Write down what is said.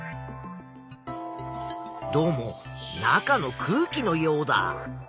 どうも中の空気のようだ。